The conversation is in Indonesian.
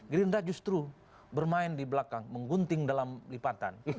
gerindra justru bermain di belakang menggunting dalam lipatan